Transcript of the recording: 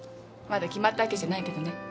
まだ決まったわけじゃないけどね。